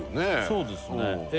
そうですねえ